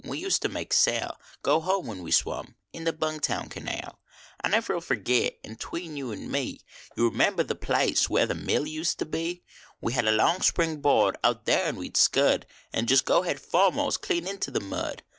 We used to make Sal Go home when we swum in the Bung Town Canal. I never ll forget it an tween yon an me, You member the place where the mill uster be? We had a long spring board out there n we d scud An jist go head foremost clean inter the mud.